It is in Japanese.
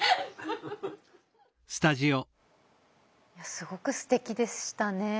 すごくすてきでしたね。